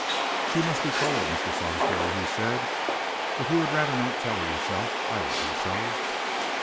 "She must be told, Mr. Sarsby," he said. "If you would rather not tell her yourself, I will do so."